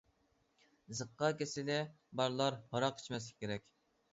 زىققا كېسىلى بارلار ھاراق ئىچمەسلىكى كېرەك.